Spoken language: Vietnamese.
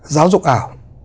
giáo dục ảo